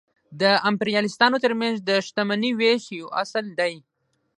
د امپریالیستانو ترمنځ د شتمنۍ وېش یو اصل دی